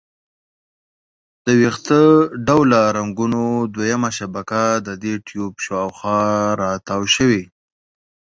د ویښته ډوله رګونو دویمه شبکه د دې ټیوب شاوخوا را تاو شوي.